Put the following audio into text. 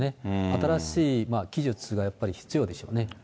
新しい技術がやっぱり必要でしょうね。